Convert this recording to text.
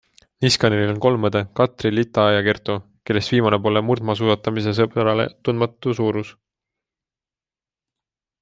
Niskanenil on kolm õde - Katri, Iita ja Kerttu -, kellest viimane pole murdmaasuusatamisesõbrale tundmatu suurus.